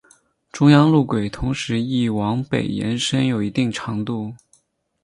中央路轨同时亦往北延伸有一定长度。